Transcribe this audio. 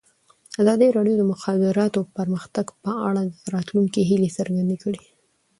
ازادي راډیو د د مخابراتو پرمختګ په اړه د راتلونکي هیلې څرګندې کړې.